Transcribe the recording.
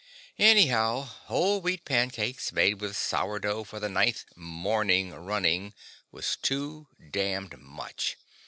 Anyhow, whole wheat pancakes made with sourdough for the ninth "morning" running was too damned much!